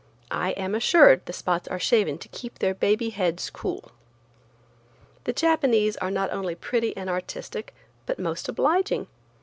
I am assured the spots are shaven to keep their baby heads cool. The Japanese are not only pretty and artistic but most obliging.